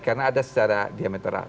karena ada secara diametral